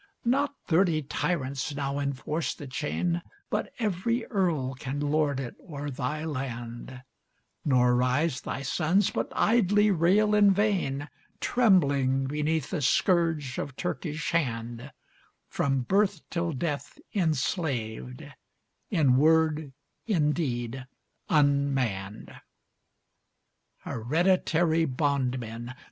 Not thirty tyrants now enforce the chain, But every earl can lord it o'er thy land: Nor rise thy sons, but idly rail in vain, Trembling beneath the scourge of Turkish hand, From birth till death enslaved; in word, in deed, unmanned. ....... Hereditary bondmen!